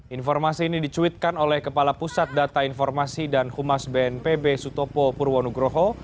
informasi ini dicuitkan oleh kepala pusat data informasi dan humas bnpb sutopo purwonugroho